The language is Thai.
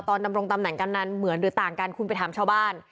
ดำรงตำแหน่งกำนันเหมือนหรือต่างกันคุณไปถามชาวบ้าน